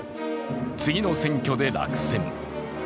次の選挙で落選。